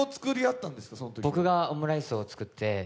僕はオムライスを作って。